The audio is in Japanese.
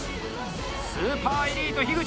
スーパーエリート樋口！